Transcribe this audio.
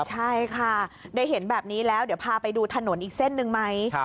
ใช่ค่ะได้เห็นแบบนี้แล้วเดี๋ยวพาไปดูถนนอีกเส้นหนึ่งไหม